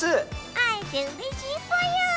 会えてうれしいぽよ！